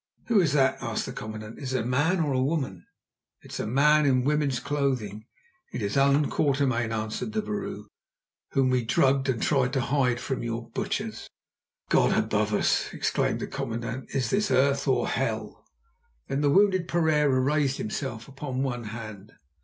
"Who is that?" asked the commandant. "Is it a man or a woman?" "It is a man in woman's clothing; it is Allan Quatermain," answered the vrouw, "whom we drugged and tried to hide from your butchers." "God above us!" exclaimed the commandant, "is this earth or hell?" Then the wounded Pereira raised himself upon one hand.